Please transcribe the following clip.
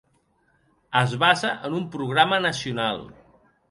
Es basa en un programa nacional.